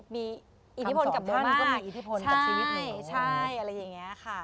มีอิทธิพลกับเมื่อมากใช่อะไรอย่างนี้ค่ะ